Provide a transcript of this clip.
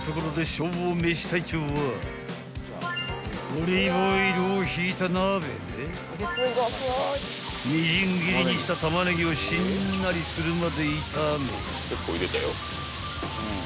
［オリーブオイルをひいた鍋でみじん切りにしたタマネギをしんなりするまで炒め］